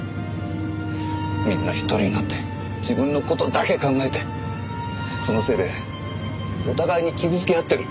みんな一人になって自分の事だけ考えてそのせいでお互いに傷つけ合ってる。